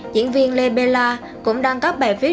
diễn viên lê la cũng đăng các bài viết